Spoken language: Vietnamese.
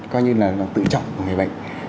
coi như là tự trọng của người bệnh